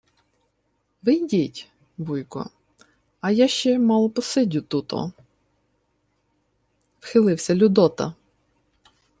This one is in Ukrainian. — Ви йдіть, вуйку, я ще мало посидю тут-о, — вхилився Людота.